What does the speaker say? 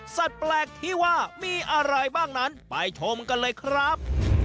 แปลกที่ว่ามีอะไรบ้างนั้นไปชมกันเลยครับ